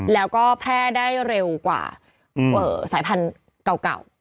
แล้วก็แพร่ได้เร็วกว่าสายพันธุ์เก่า